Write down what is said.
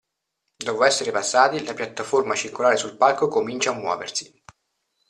Dopo essere passati, la piattaforma circolare sul palco comincia a muoversi.